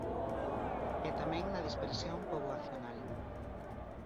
E tamén na dispersión poboacional.